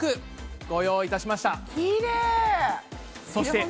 そして。